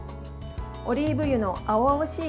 オリーブ油の青々しい